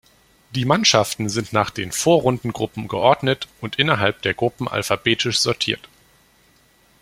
Die Mannschaften sind nach den Vorrundengruppen geordnet und innerhalb der Gruppen alphabetisch sortiert.